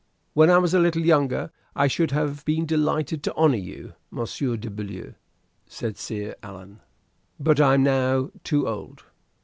"When I was a little younger, I should have been delighted to honor you, Monsieur de Beaulieu," said Sire Alain; "but I am now too old.